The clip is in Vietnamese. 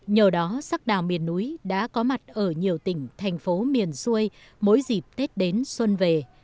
nhờ đó sắc đào miền núi đã có mặt ở nhiều tỉnh thành phố miền xuôi mỗi dịp tết đến xuân về